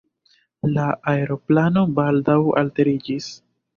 La aeroplano baldaŭ alteriĝis.